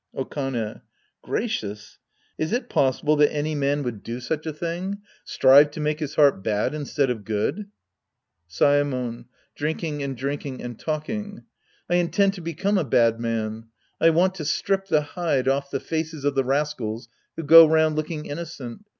Okane. Gracious ! Is it possible that any man 20 The Priest and His Disciples Act I would do such a thing ? Strive to make Ms heart bad instead of good ? Saemon {drinking and drinking and talking). I intend to become a bad man. I want to strip the hide off the faces of the rascals who go round looking innocent.